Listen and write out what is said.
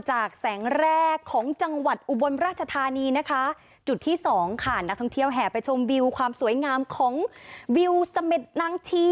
จากแสงแรกของจังหวัดอุบรณราชธานีนะฮะ